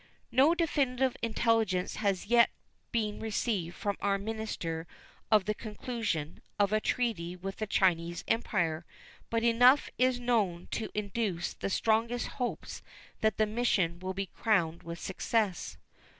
No definitive intelligence has yet been received from our minister of the conclusion of a treaty with the Chinese Empire, but enough is known to induce the strongest hopes that the mission will be crowned with success.